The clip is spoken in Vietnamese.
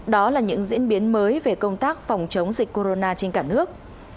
đó là những diễn biến mới về công tác phòng chống dịch corona trên cả nước